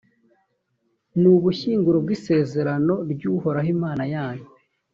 ni ubushyinguro bw’isezerano ry’uhoraho, imana yanyu,